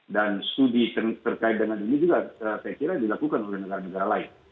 dan studi terkait dengan ini juga saya kira dilakukan oleh negara negara lain